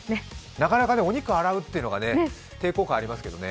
なかなかお肉を洗うっていうのが抵抗感ありますけどね。